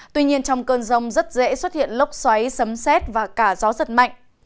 tuy nhiên trong cơn rông rất dễ xuất hiện lốc xoáy sấm xét và cả gió giật mạnh